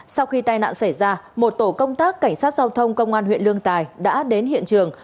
sau khi tai nạn xảy ra một tổ công tác cảnh sát giao thông công an huyện lương tài đã đến hiện trường